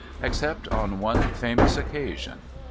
Except on one famous occasion.